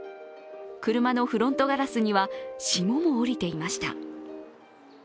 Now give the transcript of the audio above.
車のフロントガラスには霜も降りていました。